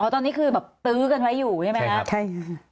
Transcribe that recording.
ตอนนี้คือแบบตื้อกันไว้อยู่ใช่ไหมครับ